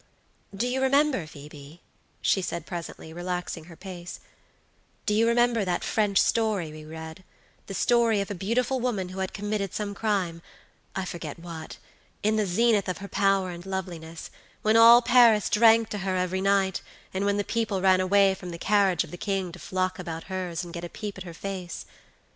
"Do you remember, Phoebe," she said, presently, relaxing her pace, "do you remember that French story we readthe story of a beautiful woman who had committed some crimeI forget whatin the zenith of her power and loveliness, when all Paris drank to her every night, and when the people ran away from the carriage of the king to flock about hers, and get a peep at her face?